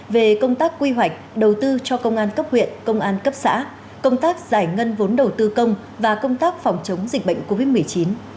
về công tác quy hoạch đầu tư cho công an cấp huyện công an cấp xã công tác giải ngân vốn đầu tư công và công tác phòng chống dịch bệnh covid một mươi chín